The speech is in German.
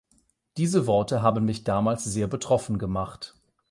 Diese Worte haben mich damals sehr betroffen gemacht.